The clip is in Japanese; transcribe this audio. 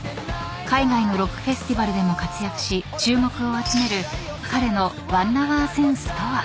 ［海外のロックフェスティバルでも活躍し注目を集める彼の］